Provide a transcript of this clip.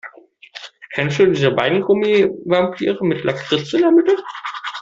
Kennst du diese Weingummi-Vampire mit Lakritz in der Mitte?